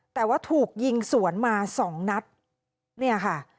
แต่ว่าถูกยิงสวนมาสองนัดเนี่ยค่ะ